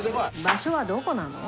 場所はどこなの？